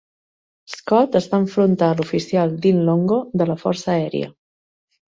Scott es va enfrontar a l'oficial Dean Longo de la força aèria.